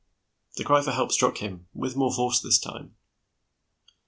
The cry for help struck him, with more force this time.